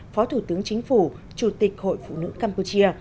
phó thủ tướng chính phủ chủ tịch hội phụ nữ campuchia